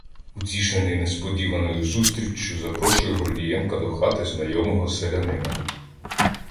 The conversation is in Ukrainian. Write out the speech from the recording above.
Утішений несподіваною зустріччю, запрошую Гордієнка до хати знайомого селянина.